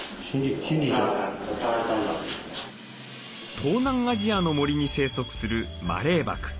東南アジアの森に生息するマレーバク。